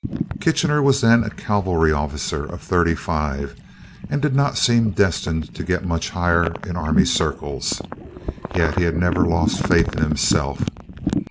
Kitchener was then a cavalry officer of thirty five, and did not seem destined to get much higher in army circles. Yet he had never lost faith in himself.